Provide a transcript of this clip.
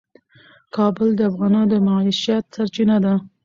کابل د افغانانو د معیشت سرچینه ده.